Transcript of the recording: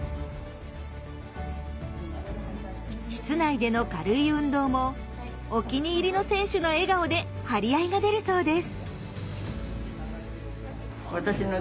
室内での軽い運動もお気に入りの選手の笑顔で張り合いが出るそうです。